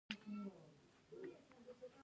د پکتیکا په ګومل کې څه شی شته؟